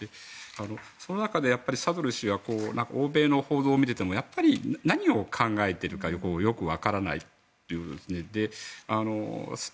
その中で、サドル師は欧米の報道を見ていても何を考えているかよく分からないということです。